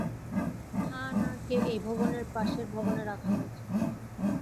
হা-না কে এই ভবনের পাশের ভবনে রাখা হয়েছে।